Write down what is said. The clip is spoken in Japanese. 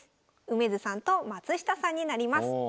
梅津さんと松下さんになります。